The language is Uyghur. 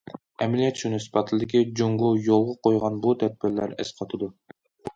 ئەمەلىيەت شۇنى ئىسپاتلىدىكى، جۇڭگو يولغا قويغان بۇ تەدبىرلەر ئەسقاتىدۇ.